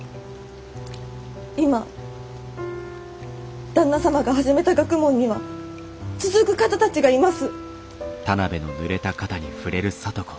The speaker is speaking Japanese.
今旦那様が始めた学問には続く方たちがいます。